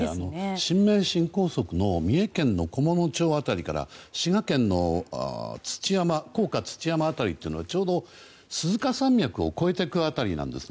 新名神高速の三重県の菰野町辺りから滋賀県の甲賀土山辺りはちょうど、鈴鹿山脈を越えていく辺りなんですね。